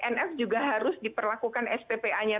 nf juga harus diperlakukan sppa nya